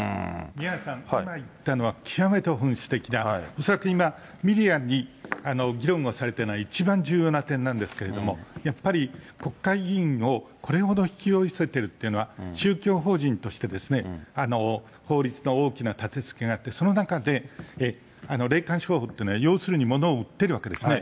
宮根さん、今言ったのは、極めて本質的な、恐らく今、メディアに議論をされていない一番重要な点なんですけれども、やっぱり国会議員をこれほど引き寄せてるというのは、宗教法人として法律の大きな建てつけがあって、その中で霊感商法っていうのは、要するに物を売っているわけですね。